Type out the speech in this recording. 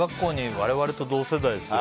我々と同世代ですよ。